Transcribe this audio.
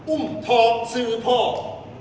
อุ่มทองซื้อโภก